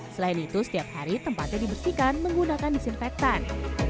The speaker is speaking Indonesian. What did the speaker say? selain itu setiap hari tempatnya dibersihkan menggunakan disinfektan